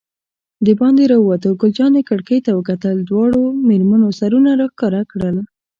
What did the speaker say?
دباندې راووتو، ګل جانې کړکۍ ته وکتل، دواړو مېرمنو سرونه را ښکاره کړل.